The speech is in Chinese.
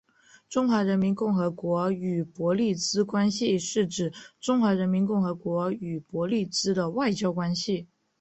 中华人民共和国与伯利兹关系是指中华人民共和国与伯利兹的外交关系。